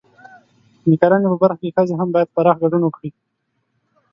د کرنې په برخه کې ښځې هم باید پراخ ګډون وکړي.